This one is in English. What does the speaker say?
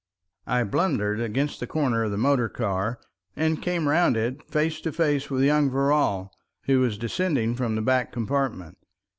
I blundered against the corner of the motor car, and came round it face to face with young Verrall, who was descending from the back compartment.